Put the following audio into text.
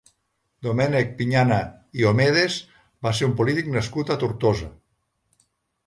Domènec Pinyana i Homedes va ser un polític nascut a Tortosa.